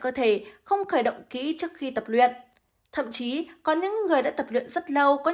cơ thể không khởi động kỹ trước khi tập luyện thậm chí có những người đã tập luyện rất lâu có